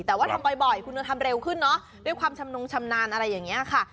แต่ว่าทำบ่อยคุณทำเร็วขึ้นเนอะด้วยความชำนงชำนาญอะไรอย่างนี้ค่ะ